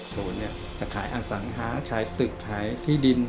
จะขายอสังหาขายตึกขายที่ดิน